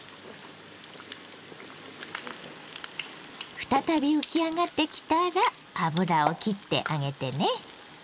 再び浮き上がってきたら油をきってあげてね。